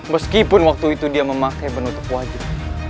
meskipun waktu itu dia memakai penutup wajib